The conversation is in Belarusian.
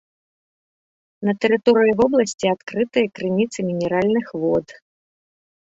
На тэрыторыі вобласці адкрытыя крыніцы мінеральных вод.